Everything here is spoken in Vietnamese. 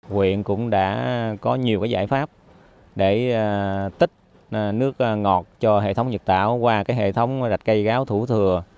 huyện cũng đã có nhiều giải pháp để tích nước ngọt cho hệ thống nhật tảo qua hệ thống rạch cây gáo thủ thừa